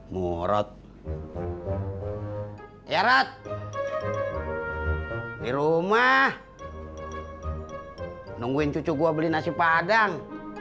murad murat di rumah nungguin cucu gua beli nasi padang